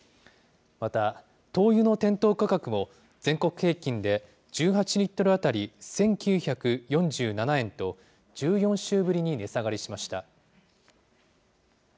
また灯油の店頭価格も、全国平均で１８リットル当たり１９４７円と、１４週ぶりに値下がりしました。